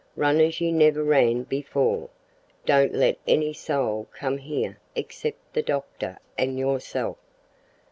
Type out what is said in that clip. Run as you never ran before. Don't let any soul come here except the doctor and yourself.